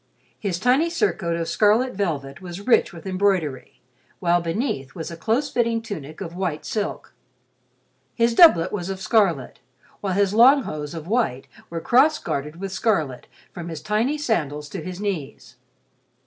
His tiny surcoat of scarlet velvet was rich with embroidery, while beneath was a close fitting tunic of white silk. His doublet was of scarlet, while his long hose of white were cross gartered with scarlet from his tiny sandals to his knees.